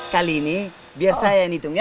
kali ini biar saya yang hitung ya